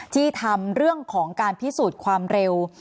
ที่ทำเรื่องของการพิสูจน์ความเร็ว